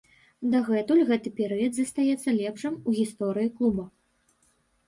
Дагэтуль гэты перыяд застаецца лепшым у гісторыі клуба.